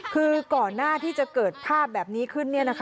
คือก่อนหน้าที่จะเกิดภาพแบบนี้ขึ้น